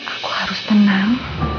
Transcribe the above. aku harus tenang